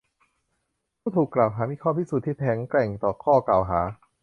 ผู้ถูกกล่าวหามีข้อพิสูจน์ที่แข็งแกร่งต่อข้อกล่าวหา